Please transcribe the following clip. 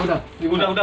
udah udah udah